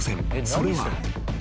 それは］